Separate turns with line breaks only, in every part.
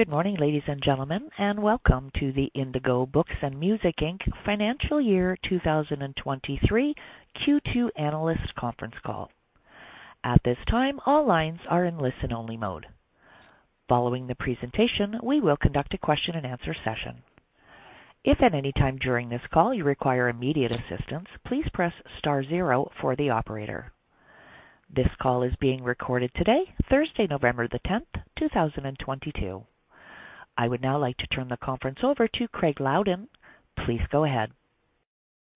Good morning, ladies and gentlemen, and welcome to the Indigo Books & Music Inc. Financial Year 2023 Q2 Analyst Conference Call. At this time, all lines are in listen-only mode. Following the presentation, we will conduct a question-and-answer session. If at any time during this call you require immediate assistance, please press star zero for the operator. This call is being recorded today, Thursday, November 10th, 2022. I would now like to turn the conference over to Craig Loudon. Please go ahead.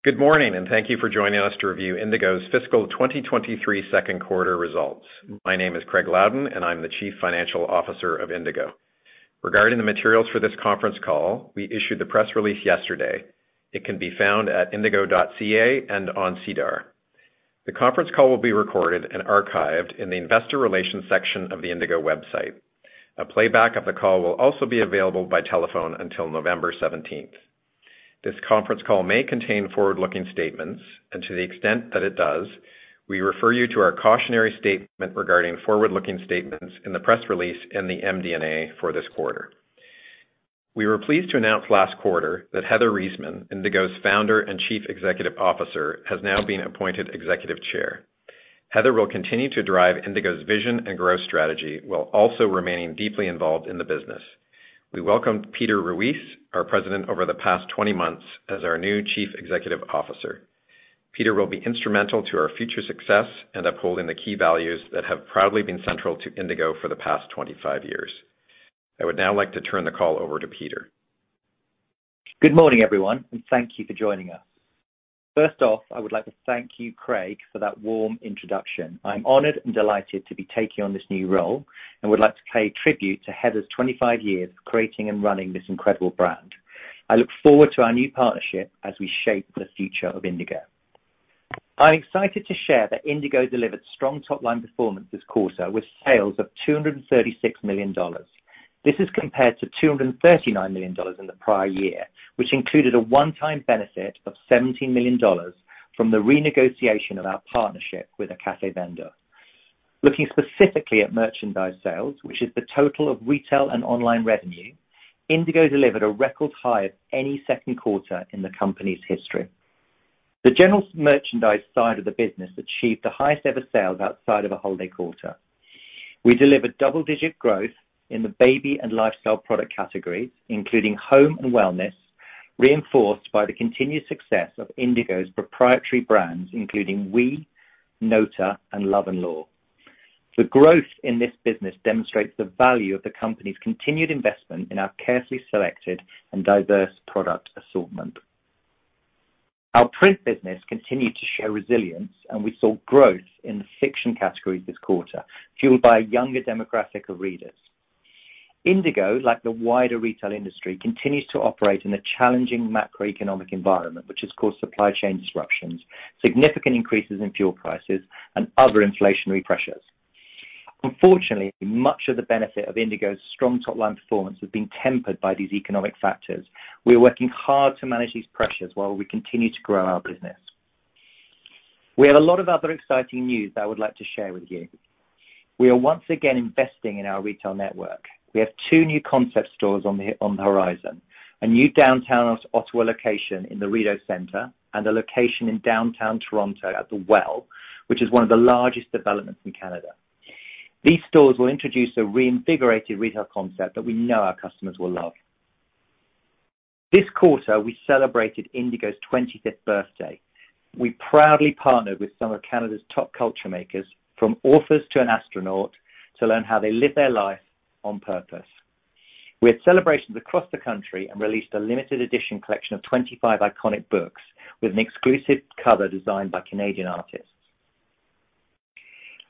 Good morning, and thank you for joining us to review Indigo's fiscal 2023 second quarter results. My name is Craig Loudon and I'm the Chief Financial Officer of Indigo. Regarding the materials for this conference call, we issued the press release yesterday. It can be found at indigo.ca and on SEDAR. The conference call will be recorded and archived in the investor relations section of the Indigo website. A playback of the call will also be available by telephone until November seventeenth. This conference call may contain forward-looking statements, and to the extent that it does, we refer you to our cautionary statement regarding forward-looking statements in the press release and the MD&A for this quarter. We were pleased to announce last quarter that Heather Reisman, Indigo's Founder and Chief Executive Officer, has now been appointed Executive Chair. Heather will continue to drive Indigo's vision and growth strategy while also remaining deeply involved in the business. We welcomed Peter Ruis, our president over the past 20 months, as our new Chief Executive Officer. Peter will be instrumental to our future success and upholding the key values that have proudly been central to Indigo for the past 25 years. I would now like to turn the call over to Peter.
Good morning, everyone, and thank you for joining us. First off, I would like to thank you, Craig, for that warm introduction. I'm honored and delighted to be taking on this new role and would like to pay tribute to Heather Reisman's 25 years of creating and running this incredible brand. I look forward to our new partnership as we shape the future of Indigo. I'm excited to share that Indigo delivered strong top-line performance this quarter with sales of 236 million dollars. This is compared to 239 million dollars in the prior year, which included a one-time benefit of 17 million dollars from the renegotiation of our partnership with a café vendor. Looking specifically at merchandise sales, which is the total of retail and online revenue, Indigo delivered a record high of any second quarter in the company's history. The general merchandise side of the business achieved the highest ever sales outside of a holiday quarter. We delivered double-digit growth in the baby and lifestyle product categories, including home and wellness, reinforced by the continued success of Indigo's proprietary brands, including OUI, NÓTA, and Love & Lore. The growth in this business demonstrates the value of the company's continued investment in our carefully selected and diverse product assortment. Our print business continued to show resilience, and we saw growth in the fiction category this quarter, fueled by a younger demographic of readers. Indigo, like the wider retail industry, continues to operate in a challenging macroeconomic environment, which has caused supply chain disruptions, significant increases in fuel prices and other inflationary pressures. Unfortunately, much of the benefit of Indigo's strong top-line performance has been tempered by these economic factors. We are working hard to manage these pressures while we continue to grow our business. We have a lot of other exciting news that I would like to share with you. We are once again investing in our retail network. We have two new concept stores on the horizon, a new downtown Ottawa location in the Rideau Centre and a location in downtown Toronto at The Well, which is one of the largest developments in Canada. These stores will introduce a reinvigorated retail concept that we know our customers will love. This quarter, we celebrated Indigo's 25th birthday. We proudly partnered with some of Canada's top culture makers, from authors to an astronaut, to learn how they live their life on purpose. We had celebrations across the country and released a limited edition collection of 25 iconic books with an exclusive cover designed by Canadian artists.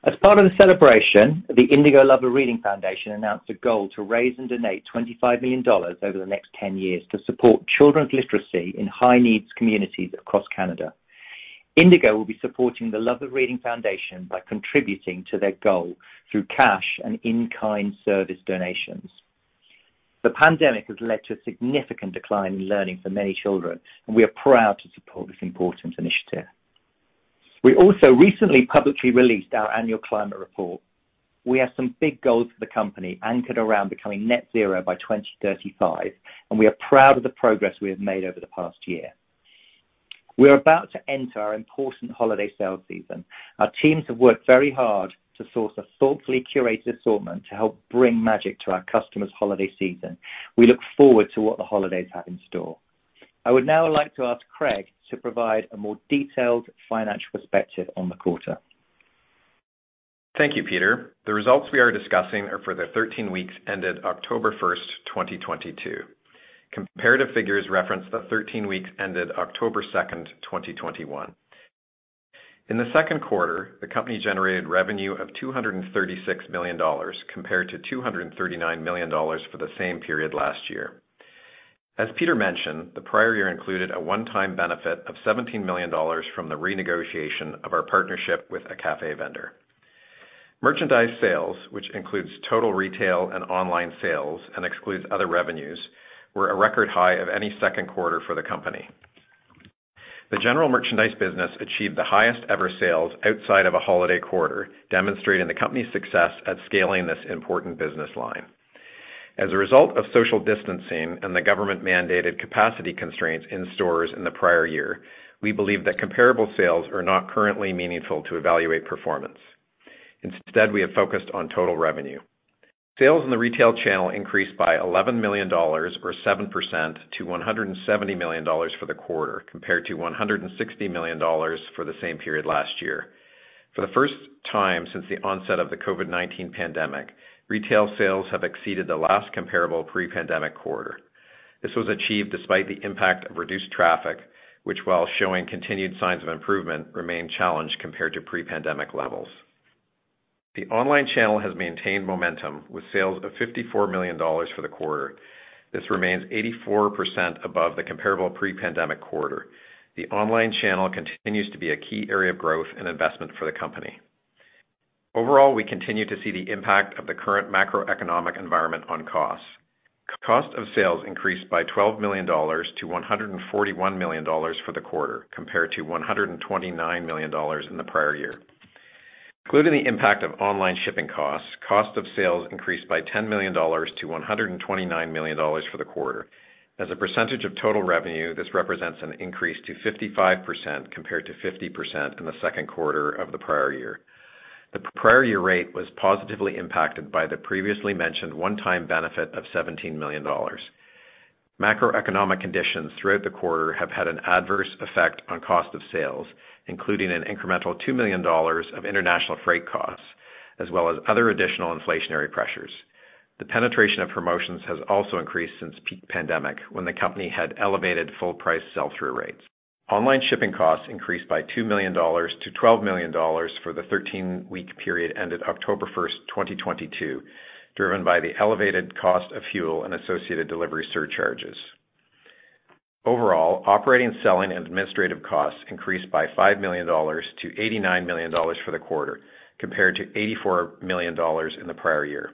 As part of the celebration, the Indigo Love of Reading Foundation announced a goal to raise and donate CAD 25 million over the next 10 years to support children's literacy in high-needs communities across Canada. Indigo will be supporting the Love of Reading Foundation by contributing to their goal through cash and in-kind service donations. The pandemic has led to a significant decline in learning for many children, and we are proud to support this important initiative. We also recently publicly released our annual climate report. We have some big goals for the company anchored around becoming net zero by 2035, and we are proud of the progress we have made over the past year. We are about to enter our important holiday sales season. Our teams have worked very hard to source a thoughtfully curated assortment to help bring magic to our customers' holiday season. We look forward to what the holidays have in store. I would now like to ask Craig to provide a more detailed financial perspective on the quarter.
Thank you, Peter. The results we are discussing are for the 13 weeks ended October 1st, 2022. Comparative figures reference the 13 weeks ended October 2nd, 2021. In the second quarter, the company generated revenue of 236 million dollars compared to 239 million dollars for the same period last year. As Peter mentioned, the prior year included a one-time benefit of 17 million dollars from the renegotiation of our partnership with a café vendor. Merchandise sales, which includes total retail and online sales and excludes other revenues, were a record high of any second quarter for the company. The general merchandise business achieved the highest ever sales outside of a holiday quarter, demonstrating the company's success at scaling this important business line. As a result of social distancing and the government-mandated capacity constraints in stores in the prior year, we believe that comparable sales are not currently meaningful to evaluate performance. Instead, we have focused on total revenue. Sales in the retail channel increased by 11 million dollars or 7% to 170 million dollars for the quarter, compared to 160 million dollars for the same period last year. For the first time since the onset of the COVID-19 pandemic, retail sales have exceeded the last comparable pre-pandemic quarter. This was achieved despite the impact of reduced traffic, which, while showing continued signs of improvement, remained challenged compared to pre-pandemic levels. The online channel has maintained momentum with sales of 54 million dollars for the quarter. This remains 84% above the comparable pre-pandemic quarter. The online channel continues to be a key area of growth and investment for the company. Overall, we continue to see the impact of the current macroeconomic environment on costs. Cost of sales increased by 12 million dollars to 141 million dollars for the quarter, compared to 129 million dollars in the prior year. Including the impact of online shipping costs, cost of sales increased by 10 million dollars to 129 million dollars for the quarter. As a percentage of total revenue, this represents an increase to 55% compared to 50% in the second quarter of the prior year. The prior year rate was positively impacted by the previously mentioned one-time benefit of 17 million dollars. Macroeconomic conditions throughout the quarter have had an adverse effect on cost of sales, including an incremental 2 million dollars of international freight costs as well as other additional inflationary pressures. The penetration of promotions has also increased since peak pandemic, when the company had elevated full price sell-through rates. Online shipping costs increased by 2 million dollars to 12 million dollars for the 13-week period ended October 1, 2022, driven by the elevated cost of fuel and associated delivery surcharges. Overall, operating, selling and administrative costs increased by 5 million dollars to 89 million dollars for the quarter, compared to 84 million dollars in the prior year.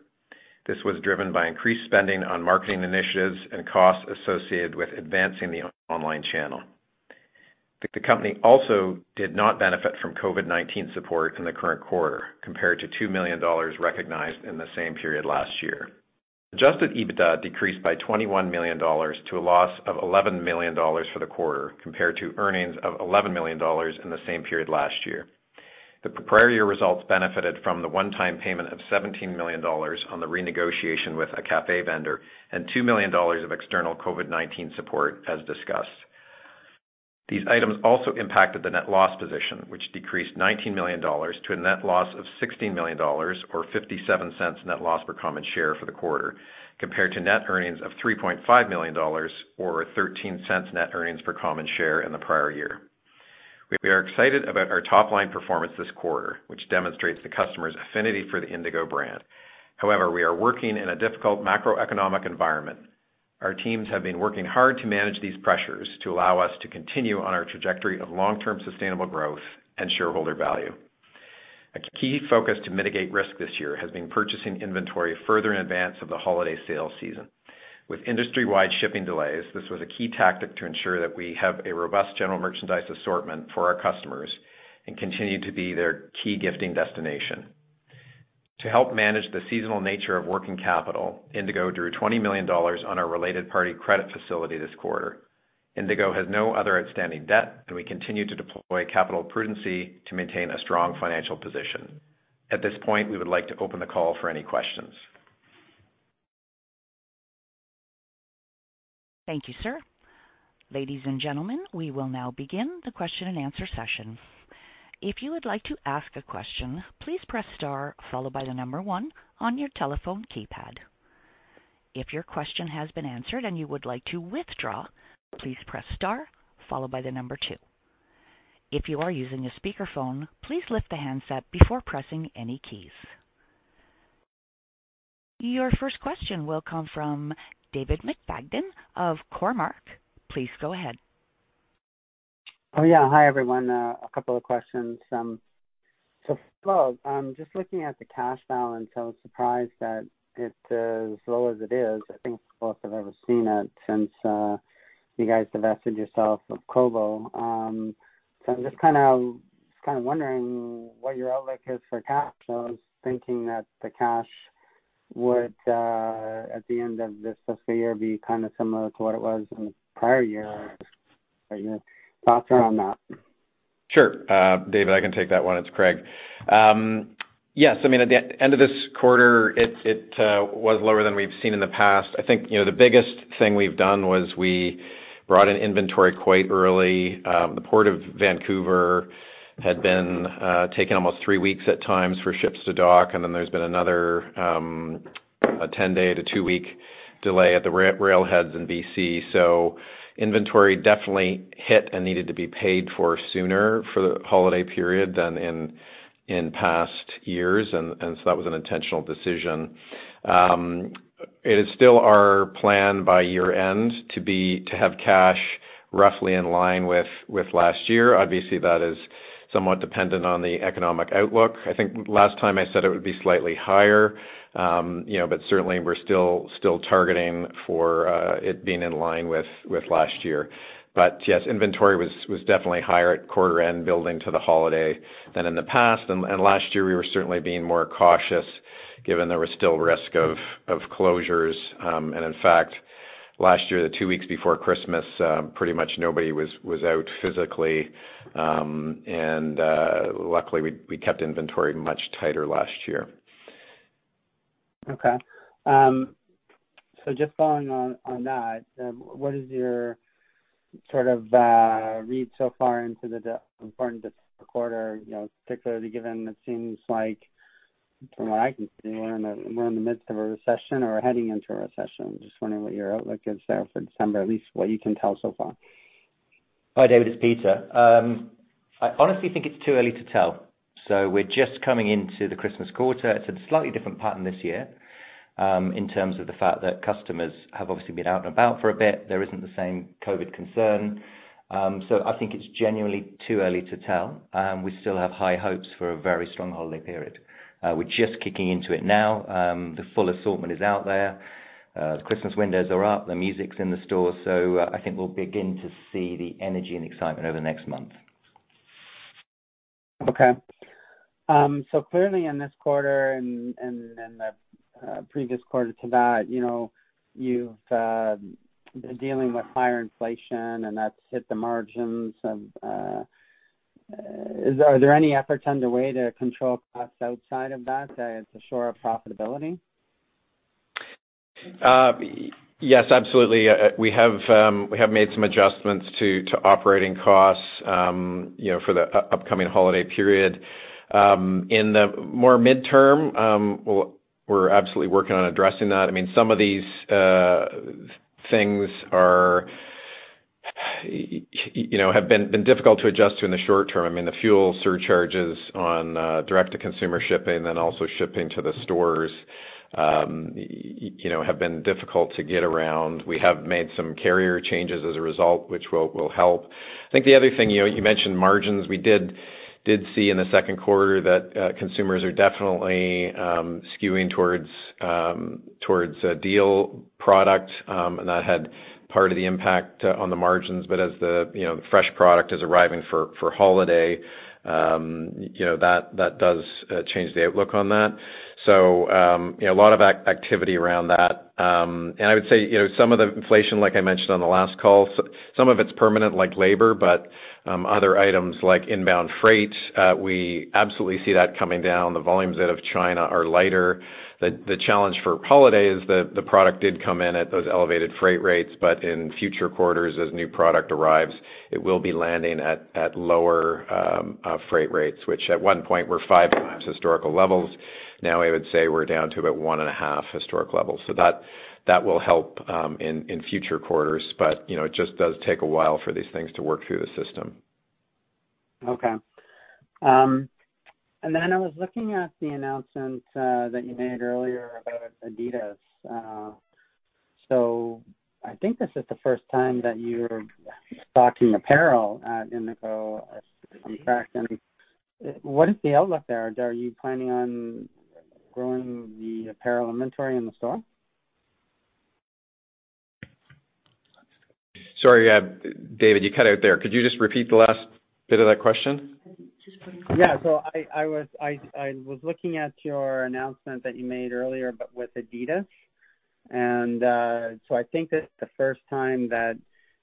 This was driven by increased spending on marketing initiatives and costs associated with advancing the online channel. The company also did not benefit from COVID-19 support in the current quarter, compared to 2 million dollars recognized in the same period last year. Adjusted EBITDA decreased by 21 million dollars to a loss of 11 million dollars for the quarter, compared to earnings of 11 million dollars in the same period last year. The prior year results benefited from the one-time payment of 17 million dollars on the renegotiation with a café vendor and 2 million dollars of external COVID-19 support as discussed. These items also impacted the net loss position, which decreased 19 million dollars to a net loss of 16 million dollars or 0.57 net loss per common share for the quarter, compared to net earnings of 3.5 million dollars or 0.13 net earnings per common share in the prior year. We are excited about our top-line performance this quarter, which demonstrates the customer's affinity for the Indigo brand. However, we are working in a difficult macroeconomic environment. Our teams have been working hard to manage these pressures to allow us to continue on our trajectory of long-term sustainable growth and shareholder value. A key focus to mitigate risk this year has been purchasing inventory further in advance of the holiday sales season. With industry-wide shipping delays, this was a key tactic to ensure that we have a robust general merchandise assortment for our customers and continue to be their key gifting destination. To help manage the seasonal nature of working capital, Indigo drew 20 million dollars on our related party credit facility this quarter. Indigo has no other outstanding debt, and we continue to deploy capital prudence to maintain a strong financial position. At this point, we would like to open the call for any questions.
Thank you, sir. Ladies and gentlemen, we will now begin the question-and-answer session. If you would like to ask a question, please press star followed by one on your telephone keypad. If your question has been answered and you would like to withdraw, please press star followed by two. If you are using a speakerphone, please lift the handset before pressing any keys. Your first question will come from David McFadgen of Cormark Securities. Please go ahead.
Oh, yeah. Hi, everyone. A couple of questions. First of all, just looking at the cash balance, I was surprised that it's as low as it is. I think it's the lowest I've ever seen it since you guys divested yourself of Kobo. I'm just kinda wondering what your outlook is for cash. I was thinking that the cash would at the end of this fiscal year be kinda similar to what it was in the prior year. Your thoughts around that?
Sure. David, I can take that one. It's Craig. Yes, I mean, at the end of this quarter, it was lower than we've seen in the past. I think, you know, the biggest thing we've done was we brought in inventory quite early. The Port of Vancouver had been taking almost three weeks at times for ships to dock, and then there's been another, a 10-day to two-week delay at the railheads in BC. Inventory definitely hit and needed to be paid for sooner for the holiday period than in past years. That was an intentional decision. It is still our plan by year-end to have cash roughly in line with last year. Obviously, that is somewhat dependent on the economic outlook. I think last time I said it would be slightly higher, you know, but certainly we're still targeting for it being in line with last year. Yes, inventory was definitely higher at quarter end building to the holiday than in the past. Last year we were certainly being more cautious given there was still risk of closures. In fact, last year, the two weeks before Christmas, pretty much nobody was out physically. Luckily, we kept inventory much tighter last year.
Okay. Just following on that, what is your sort of read so far into the December quarter, you know, particularly given it seems like from what I can see, we're in the midst of a recession or heading into a recession. Just wondering what your outlook is there for December, at least what you can tell so far.
Hi, David, it's Peter. I honestly think it's too early to tell. We're just coming into the Christmas quarter. It's a slightly different pattern this year, in terms of the fact that customers have obviously been out and about for a bit. There isn't the same COVID concern. I think it's genuinely too early to tell. We still have high hopes for a very strong holiday period. We're just kicking into it now. The full assortment is out there. The Christmas windows are up, the music's in the store, so I think we'll begin to see the energy and excitement over the next month.
Okay. Clearly in this quarter and the previous quarter to that, you know, you've been dealing with higher inflation and that's hit the margins. Are there any efforts underway to control costs outside of that to shore up profitability?
Yes, absolutely. We have made some adjustments to operating costs, you know, for the upcoming holiday period. In the medium term, we're absolutely working on addressing that. I mean, some of these things are, you know, have been difficult to adjust to in the short term. I mean, the fuel surcharges on direct-to-consumer shipping and also shipping to the stores, you know, have been difficult to get around. We have made some carrier changes as a result, which will help. I think the other thing, you know, you mentioned margins. We did see in the second quarter that consumers are definitely skewing towards a deal product, and that had part of the impact on the margins. As the fresh product is arriving for holiday, you know, that does change the outlook on that. You know, a lot of activity around that. I would say, you know, some of the inflation, like I mentioned on the last call, some of it's permanent, like labor, but other items like inbound freight, we absolutely see that coming down. The volumes out of China are lighter. The challenge for holiday is the product did come in at those elevated freight rates, but in future quarters, as new product arrives, it will be landing at lower freight rates, which at one point were five times historical levels. Now I would say we're down to about 1.5 historical levels. That will help in future quarters. You know, it just does take a while for these things to work through the system.
I was looking at the announcement that you made earlier about Adidas. I think this is the first time that you're stocking apparel at Indigo as contract. What is the outlook there? Are you planning on growing the apparel inventory in the store?
Sorry, David, you cut out there. Could you just repeat the last bit of that question?
Yeah, I was looking at your announcement that you made earlier but with Adidas. I think this is the first time that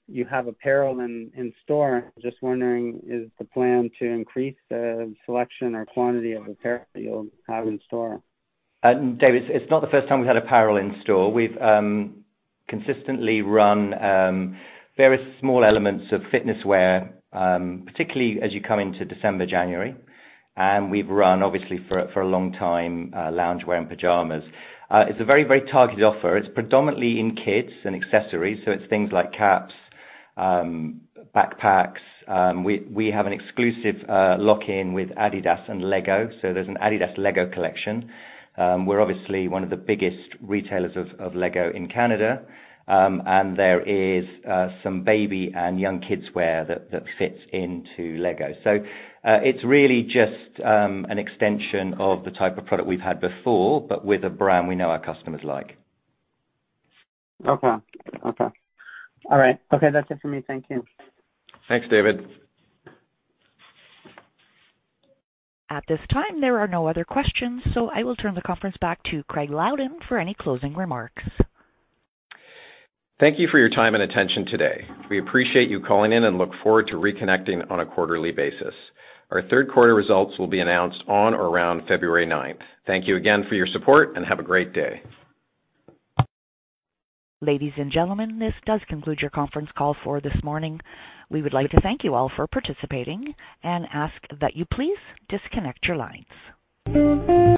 you have apparel in store. Just wondering, is the plan to increase the selection or quantity of apparel you'll have in store?
David, it's not the first time we've had apparel in store. We've consistently run various small elements of fitness wear, particularly as you come into December, January. We've run obviously for a long time, loungewear and pajamas. It's a very targeted offer. It's predominantly in kids and accessories, so it's things like caps, backpacks. We have an exclusive lock-in with Adidas and Lego. There's an Adidas Lego collection. We're obviously one of the biggest retailers of Lego in Canada. There is some baby and young kids wear that fits into Lego. It's really just an extension of the type of product we've had before, but with a brand we know our customers like.
Okay. All right. Okay, that's it for me. Thank you.
Thanks, David.
At this time, there are no other questions, so I will turn the conference back to Craig Loudon for any closing remarks.
Thank you for your time and attention today. We appreciate you calling in and look forward to reconnecting on a quarterly basis. Our third quarter results will be announced on or around February ninth. Thank you again for your support and have a great day.
Ladies and gentlemen, this does conclude your conference call for this morning. We would like to thank you all for participating and ask that you please disconnect your lines.